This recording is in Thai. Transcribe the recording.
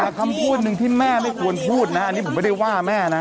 แต่คำพูดหนึ่งที่แม่ไม่ควรพูดนะอันนี้ผมไม่ได้ว่าแม่นะ